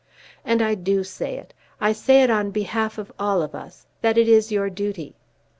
And I do say it. I say it on behalf of all of us, that it is your duty.